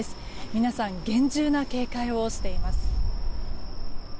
皆さん厳重な警戒をしています。